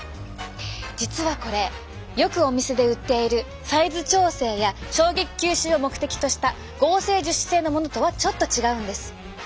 実はこれよくお店で売っているサイズ調整や衝撃吸収を目的とした合成樹脂製のものとはちょっと違うんです。